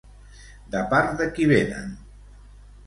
De part de qui venen?